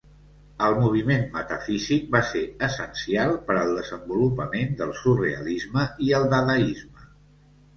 El moviment metafísic va ser essencial per al desenvolupament del surrealisme i el dadaisme.